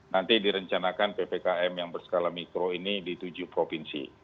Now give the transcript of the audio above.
nanti direncanakan ppkm yang berskala mikro ini di tujuh provinsi